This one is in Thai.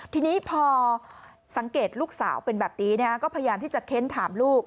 ทีนี้พอสังเกตลูกสาวเป็นแบบนี้ก็พยายามที่จะเค้นถามลูก